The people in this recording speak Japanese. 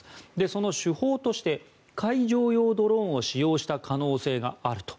その手法として海上用ドローンを使用した可能性があると。